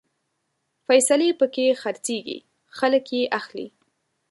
فیصلې پکې خرڅېږي، خلک يې اخلي